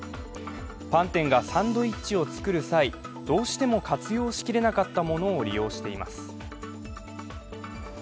パン店がサンドイッチを作る際どうしても活用しきれなかったものを利用しています。